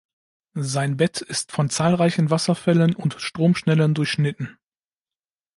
Sein Bett ist von zahlreichen Wasserfällen und Stromschnellen durchschnitten.